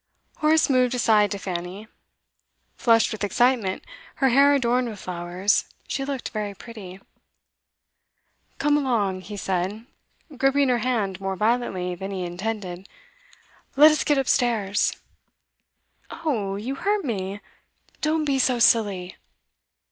Horace moved aside to Fanny. Flushed with excitement, her hair adorned with flowers, she looked very pretty. 'Come along,' he said, gripping her hand more violently than he intended. 'Let us get upstairs.' 'Oh, you hurt me! Don't be so silly.